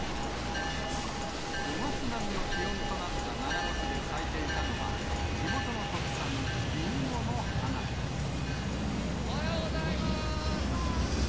５月並みの気温となった長野市で咲いていたのは、おはようございます。